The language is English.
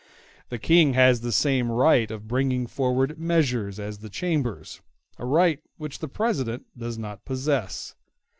The King has the same right of bringing forward measures as the Chambers; a right which the President does not possess.